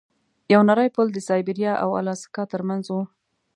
یو نری پل د سایبریا او الاسکا ترمنځ و.